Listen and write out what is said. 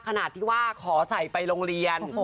ขนาดที่ว่าขอใส่ไปโรงเรียน